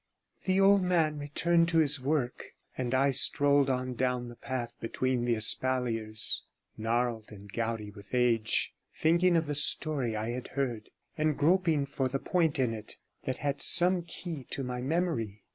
The old man turned to his work, and I strolled on down the path between the espaliers, gnarled and gouty with age, thinking of the story I had heard, and groping for the point in it that had some key to my memory.